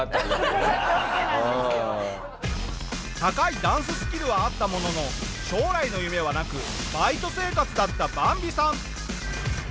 高いダンススキルはあったものの将来の夢はなくバイト生活だったバンビさん。